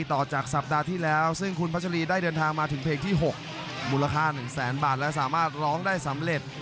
รอบนายตี้ตี้อีกทีกับสองดอกสอนครับ